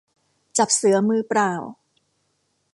จับเสือมือเปล่า